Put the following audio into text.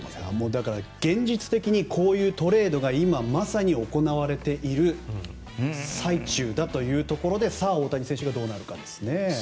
だから現実的にこういうトレードが今まさに行われている最中だというところで大谷選手がどうなるかですね。